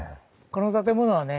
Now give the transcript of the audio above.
この建物はね